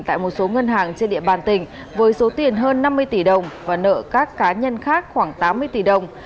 tại một số ngân hàng trên địa bàn tỉnh với số tiền hơn năm mươi tỷ đồng và nợ các cá nhân khác khoảng tám mươi tỷ đồng